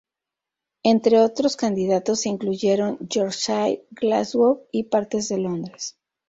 Entre otros candidatos se incluyeron Yorkshire, Glasgow, y partes de Londres.